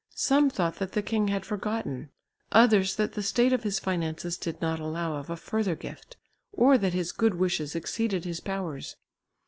Some thought that the king had forgotten, others that the state of his finances did not allow of a further gift, or that his good wishes exceeded his powers.